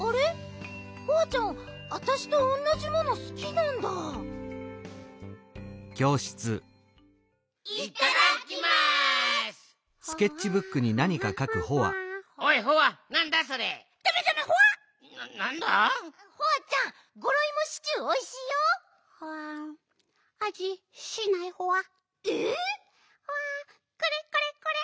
ホワこれこれこれ！